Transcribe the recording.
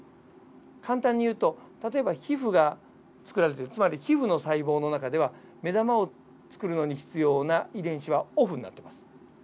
簡単に言うと例えば皮膚が作られていくつまり皮膚の細胞の中では目玉を作るのに必要な遺伝子はオフになってます。